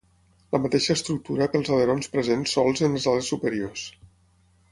La mateixa estructura pels alerons presents sols en les ales superiors.